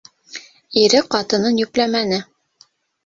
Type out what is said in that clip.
— Ире ҡатынын йөпләмәне.